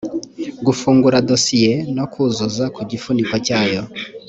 gufungura dosiye no kuzuza ku gifuniko cyayo